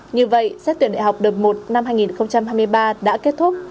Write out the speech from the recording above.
như vậy xét tuyển đại học đợt một năm hai nghìn hai mươi ba đã kết thúc